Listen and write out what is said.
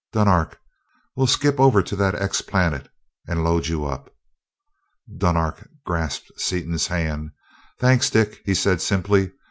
Dunark, we'll skip over to that 'X' planet and load you up." Dunark grasped Seaton's hand. "Thanks, Dick," he said, simply.